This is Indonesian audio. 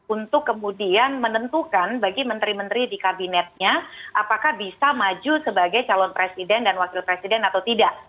untuk kemudian menentukan bagi menteri menteri di kabinetnya apakah bisa maju sebagai calon presiden dan wakil presiden atau tidak